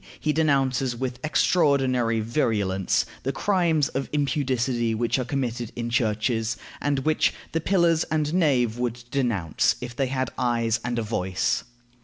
He denounces with extraordinary virulence the "crimes of impudicity which are committed in churches," and which "the pillars and nave would denounce, if they had eyes and a voice."